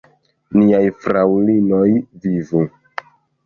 Niaj fraŭlinoj vivu!